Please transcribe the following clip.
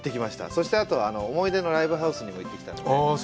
そしてあとは思い出のライブハウスにも行ってきたんで。